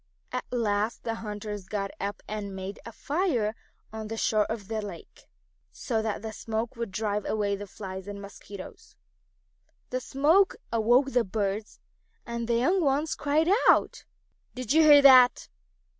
At last the hunters got up and made a fire on the shore of the lake, so that the smoke would drive away the flies and mosquitoes. The smoke awoke the birds, and the young ones cried out. "Did you hear that?"